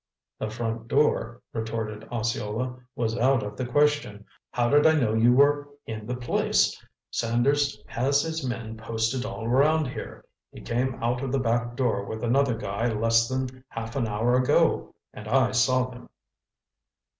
"The front door," retorted Osceola, "was out of the question. How did I know you were in the place? Sanders has his men posted all around here. He came out of the back door with another guy less than half an hour ago, and I saw them."